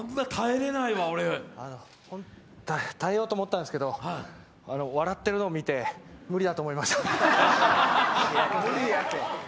耐えようと思ったんですけど、笑ってるのを見て無理だと思いました。